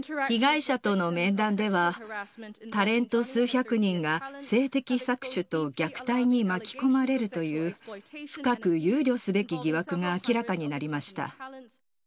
被害者との面談では、タレント数百人が、性的搾取と虐待に巻き込まれるという、深く憂慮すべき疑惑が明らかになりました。